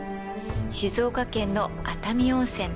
静岡県の熱海温泉です。